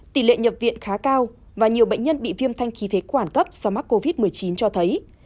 tỷ lệ nhập viện khá cao và nhiều bệnh nhân bị viêm thanh khí phế quản cấp do mắc covid một mươi chín cho thấy